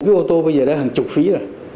cái ô tô bây giờ đã hàng chục phí rồi